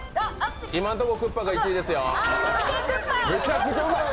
今のとこ、クッパが１位ですよ。